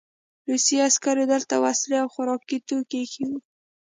روسي عسکرو دلته وسلې او خوراکي توکي ایښي وو